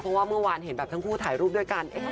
เพราะว่าเมื่อวานเห็นแบบทั้งคู่ถ่ายรูปด้วยกัน